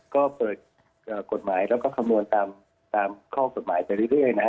ก็เปิดกฎหมายและก็คำวนตามข้อมูลไปเรื่อย